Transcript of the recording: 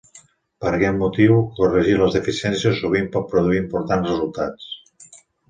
Per aquest motiu, corregir les deficiències sovint pot produir importants resultats.